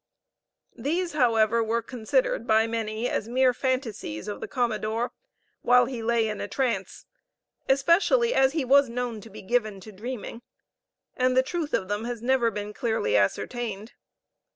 These, however, were considered by many as mere phantasies of the commodore, while he lay in a trance, especially as he was known to be given to dreaming; and the truth of them has never been clearly ascertained.